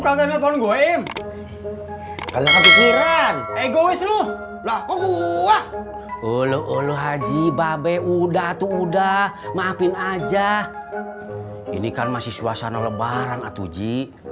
kau mau kemarin kalau pikiran egois udah udah maafin aja ini kan masih suasana lebaran atuji